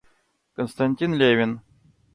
Константин Левин.